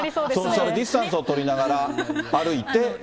ディスタンスを取りながら、歩いて。